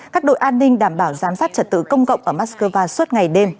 các đội an ninh đảm bảo giám sát trật tử công cộng ở moskova suốt ngày đêm